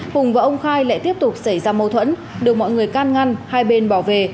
hùng và ông khai lại tiếp tục xảy ra mâu thuẫn được mọi người can ngăn hai bên bỏ về